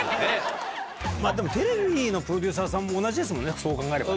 でもテレビのプロデューサーさんも同じですもんねそう考えれば。